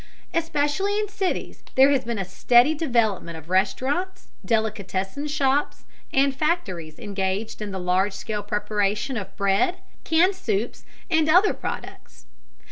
Especially in cities there has been a steady development of restaurants, delicatessen shops, and factories engaged in the large scale preparation of bread, canned soups, and other food products.